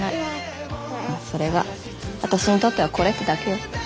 それが私にとってはこれってだけよ。